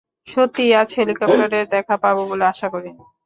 সত্যিই আজ হেলিকপ্টারের দেখা পাবো বলে আশা করিনি।